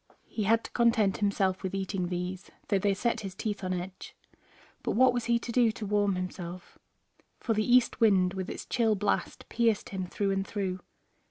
He had to content himself with eating these, though they set his teeth on edge. But what was he to do to warm himself, for the east wind with its chill blast pierced him through and through.